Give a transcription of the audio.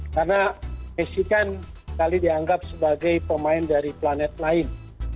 karena messi kan sekali dianggap sebagai pemain dari planet lain